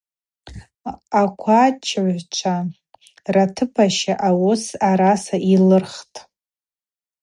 Аквачыгӏвчва ратыпаща ауыс араса йлырхтӏ.